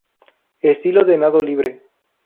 Estilo de nado libre.